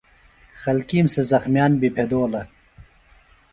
خلکِیم سےۡ زخمِیان بیۡ پھیدولہ